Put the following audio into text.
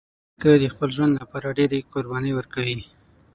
نیکه د خپل ژوند له پاره ډېری قربانۍ ورکوي.